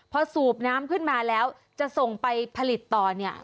พอสูบน้ำขึ้นมาแล้วจะส่งไปผลิตต่อเนี่ย